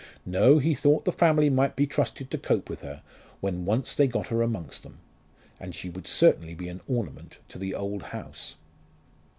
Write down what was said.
No, he thought the family might be trusted to cope with her when once they got her among them. And she would certainly be an ornament to the old house.